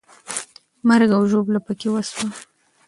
مرګ او ژوبله پکې وسوه.